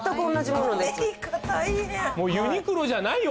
もうユニクロじゃないよ